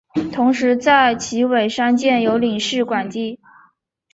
同时在旗尾山建有领事官邸。